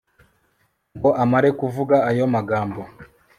ngo amare kuvuga ayo magambo